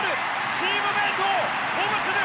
チームメートを鼓舞する！